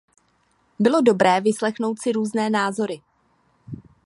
Bylo dobré vyslechnout si různé názory.